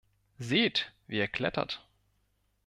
Seht, wie er klettert!